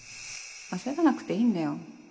焦らなくていいんだよ